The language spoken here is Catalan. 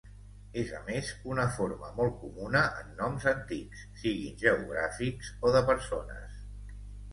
És a més una forma molt comuna en noms antics, siguin geogràfics o de persones.